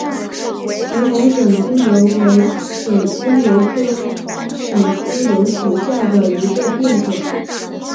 玫红省沽油为省沽油科省沽油属下的一个变种。